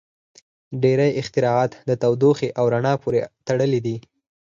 • ډېری اختراعات د تودوخې او رڼا پورې تړلي دي.